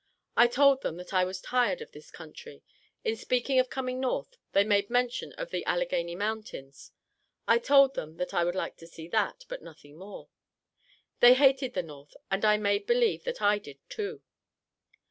I told them that I was tired of this country. In speaking of coming North, they made mention of the Alleghany mountains. I told them that I would like to see that, but nothing more. They hated the North, and I made believe that I did too.